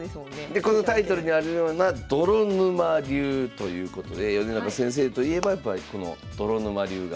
でこのタイトルにあるような泥沼流ということで米長先生といえばこの泥沼流が。